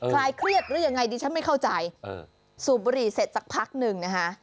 ลายเครียดหรือยังไงดิฉันไม่เข้าใจสูบบุหรี่เสร็จสักพักหนึ่งนะคะ